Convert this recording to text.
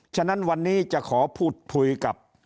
ฉะนั้นวันนี้จะขอพูดคุยกับ